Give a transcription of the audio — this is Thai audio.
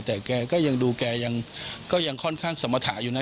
แต่แกก็ยังดูแกยังก็ยังค่อนข้างสมรรถะอยู่นะ